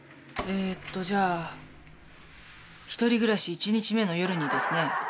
えっとじゃあ１人暮らし１日目の夜にですね